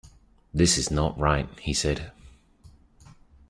“This is not right,” he said.